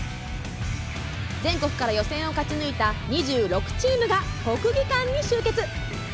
全国から予選を勝ち抜いた２６チームが、国技館に集結。